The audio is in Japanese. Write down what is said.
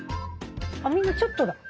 みんなちょっとだ。